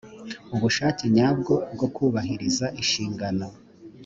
ubushake nyabwo bwo kubahiriza inshingano